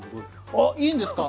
あっいいんですか？